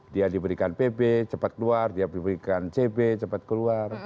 dia diberikan pb cepat keluar dia diberikan cb cepat keluar